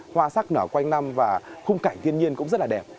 hoa sắc nở quanh năm và khung cảnh thiên nhiên cũng rất là đẹp